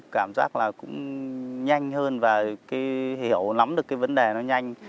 cảm giác là cũng nhanh hơn và hiểu lắm được cái vấn đề nó nhanh